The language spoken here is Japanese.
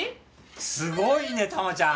すごいねタマちゃん！